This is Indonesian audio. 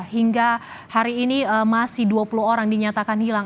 hingga hari ini masih dua puluh orang dinyatakan hilang